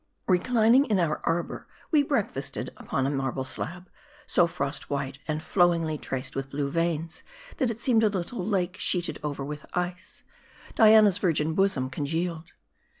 Reclining in our arbor, we breakfasted upon a marble slab ; so frost white, and flowingly traced with blue veins, that it seemed a little lake sheeted over with ice : Diana's virgin bosom congealed.